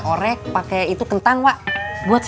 karena kulitnya begini